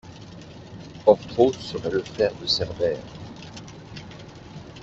Orthros serait le frère de Cerbère.